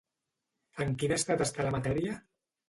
En quin estat està la matèria?